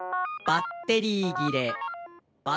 バッテリーぎれ」。